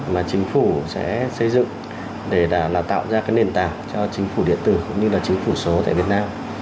mà chính phủ sẽ xây dựng để tạo ra cái nền tảng cho chính phủ điện tử cũng như là chính phủ số tại việt nam